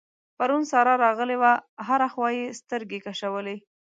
پرون سارا راغلې وه؛ هره خوا يې سترګې کشولې.